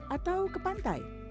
atau ke pantai